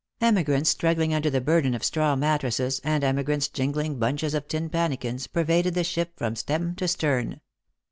Emigrants struggling under the burden of straw mattresses, and emigrants jingling bunches of tin pannikins, pervaded the ship from stem to stern.